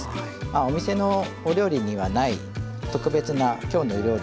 お店のお料理にはない特別な「きょうの料理」